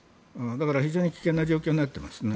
だから、非常に危険な状況になっています。